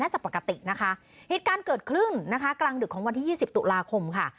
จะปกตินะคะเหตุการณ์เกิดขึ้นนะคะกลางดึกของวันที่ยี่สิบตุลาคมค่ะ